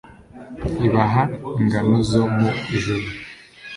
ibaha ingano zo mu ijuru